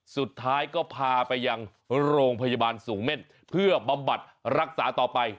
สุดท้ายก็พาไปยังโรงพยาบาลสูงเม่นเพื่อบำบัดรักษาต่อไป